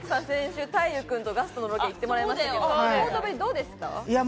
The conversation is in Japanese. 先週、大祐君とガストのロケ行ってもらいましたが、どうですか？